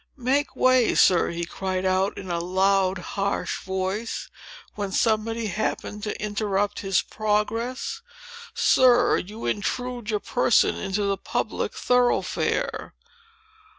"Make way, sir!" he would cry out, in a loud, harsh voice, when somebody happened to interrupt his progress.—"Sir, you intrude your person into the public thoroughfare!"